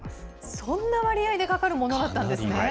そんな割合でかかるものだったんですね。